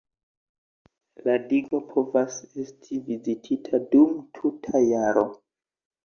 La digo povas esti vizitita dum tuta jaro.